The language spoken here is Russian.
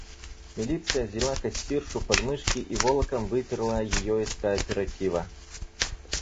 Милиция взяла кассиршу под мышки и волоком выперла её из кооператива.